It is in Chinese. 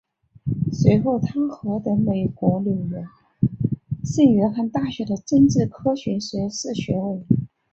随后他获得美国纽约圣约翰大学的政治科学硕士学位。